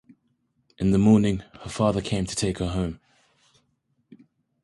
In the morning, her father came to take her home.